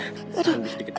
tahan sedikit ya